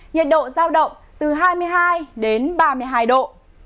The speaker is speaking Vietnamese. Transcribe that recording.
nhiệt độ giao động từ hai mươi hai đến ba mươi hai độ